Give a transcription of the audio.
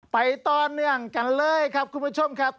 ไปต่อเนื่องกันเลยครับคุณผู้ชมครับ